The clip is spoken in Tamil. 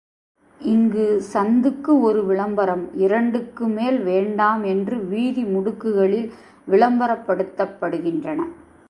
இங்கு சந்துக்கு ஒரு விளம்பரம், இரண்டுக்கு மேல் வேண்டாம் என்று வீதி முடுக்குகளில் விளம்பரப்படுத்தப்படுகின்றன.